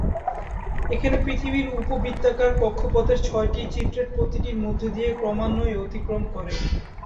এখানে পৃথিবী উপবৃত্তাকার কক্ষপথের ছয়টি চিত্রের প্রতিটির মধ্য দিয়ে ক্রমান্বয়ে অতিক্রম করে।